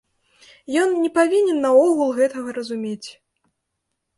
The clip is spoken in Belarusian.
Ён не павінен наогул гэтага разумець.